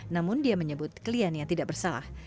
namun dia menyebut kliennya tidak bersalah